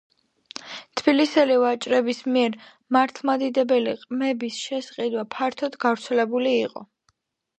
თბილისელი ვაჭრების მიერ მართლმადიდებელი ყმების შესყიდვა ფართოდ გავრცელებული იყო.